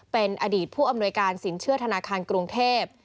เป็นอดีตผู้อำนวยการสินเชื่อธนาคารกรุงเทพ